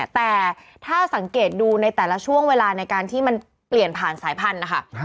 แต่ถ้าสังเกตดูในแต่ละช่วงเวลาในการที่มันเปลี่ยนผ่านสายพันธุ์นะคะ